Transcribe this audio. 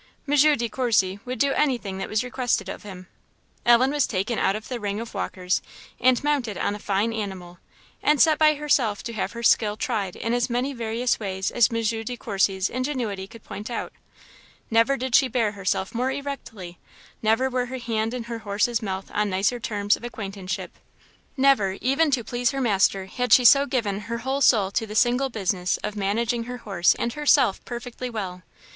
M. De Courcy would do anything that was requested of him. Ellen was taken out of the ring of walkers and mounted on a fine animal, and set by herself to have her skill tried in as many various ways as M. De Courcy's ingenuity could point out. Never did she bear herself more erectly; never were her hand and her horse's mouth on nicer terms of acquaintanceship; never, even to please her master, had she so given her whole soul to the single business of managing her horse and herself perfectly well.